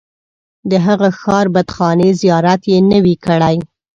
د هغه ښار بتخانې زیارت یې نه وي کړی.